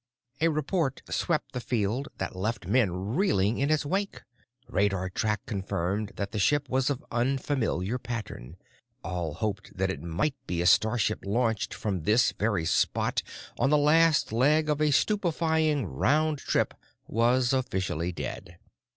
A report swept the field that left men reeling in its wake. Radar Track confirmed that the ship was of unfamiliar pattern. All hope that it might be a starship launched from this very spot on the last leg of a stupefying round trip was officially dead.